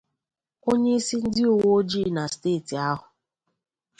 Onyeisi ndị uweojii na steeti ahụ